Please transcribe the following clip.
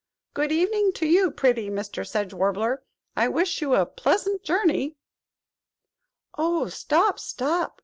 Good evening to you, pretty Mr. Sedge Warbler. I wish you a pleasant journey!" "Oh, stop, stop!"